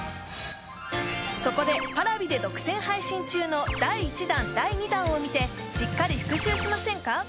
そこでＰａｒａｖｉで独占配信中の第１弾第２弾を見てしっかり復習しませんか？